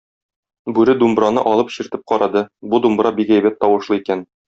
Бүре думбраны алып чиртеп карады, бу думбра бик әйбәт тавышлы икән.